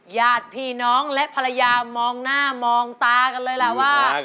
ญาติพี่น้องและภรรยามองหน้ามองตากันเลยแหละว่า